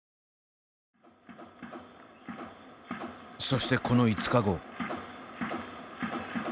そしてこの５日後。